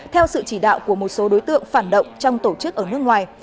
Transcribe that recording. theo sự chỉ đạo của một số đối tượng phản động trong tổ chức ở nước ngoài